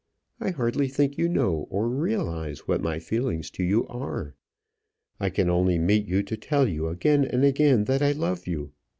I hardly think you know or realize what my feelings to you are. I can only meet you to tell you again and again that I love you.